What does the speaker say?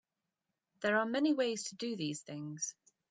There are many ways to do these things.